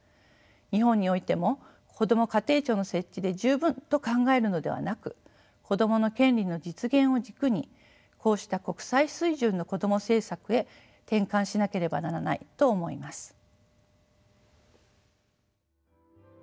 日本においてもこども家庭庁の設置で十分と考えるのではなく子どもの権利の実現を軸にこうした国際水準のこども政策へ転換しなければならないと思います。